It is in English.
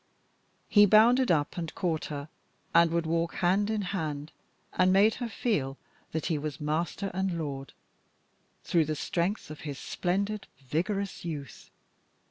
He bounded up and caught her, and would walk hand in hand, and made her feel that he was master and lord through the strength of his splendid, vigorous youth.